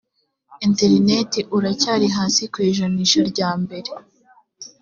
interineti uracyari hasi ku ijanisha rya mbere